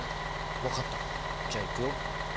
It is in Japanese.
分かったじゃあいくよ。